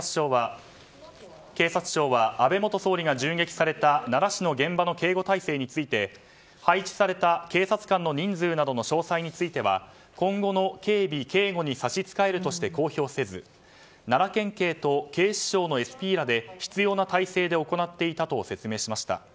警察庁は安倍元総理が銃撃された奈良市の現場の警護体制について配置された警察官の人数などの詳細については今後の警備・警護に差し支えるとして公表せず、奈良県警と警視庁のＳＰらで必要な体制で行っていたと説明しました。